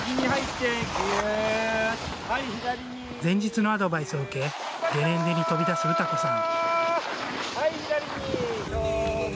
前日のアドバイスを受けゲレンデに飛び出す詩子さん。